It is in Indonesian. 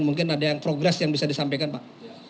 mungkin ada yang progres yang bisa disampaikan pak